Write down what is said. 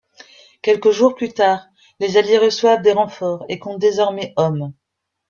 Quelques jours plus tard, les Alliés reçoivent des renforts et comptent désormais hommes.